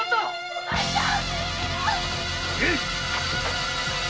お前さん！